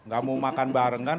gak mau makan bareng kan